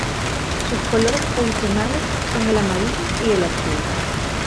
Sus colores tradicionales son el amarillo y el azul.